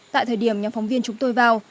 tại thời điểm nhà phóng viên chúng tôi vào